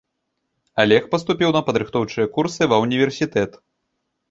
Алег паступіў на падрыхтоўчыя курсы ва ўніверсітэт.